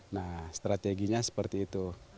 nah strateginya seperti itu